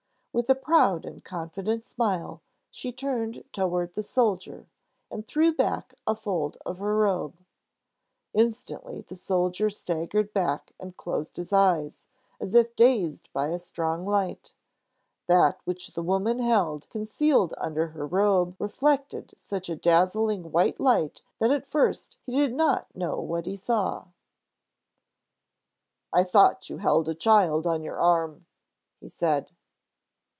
With a proud and confident smile she turned toward the soldier, and threw back a fold of her robe. Instantly the soldier staggered back and closed his eyes, as if dazed by a strong light. That which the woman held concealed under her robe reflected such a dazzling white light that at first he did not know what he saw. "I thought you held a child on your arm," he said.